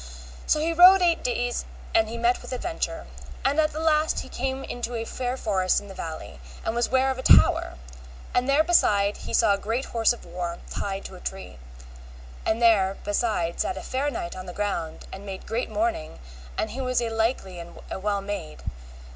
So he rode eight days or he met with adventure. And at the last he came into a fair forest in a valley, and was ware of a tower, and there beside he saw a great horse of war, tied to a tree, and there beside sat a fair knight on the ground and made great mourning, and he was a likely man, and a well made.